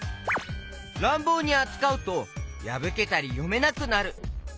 らんぼうにあつかうとやぶけたりよめなくなる。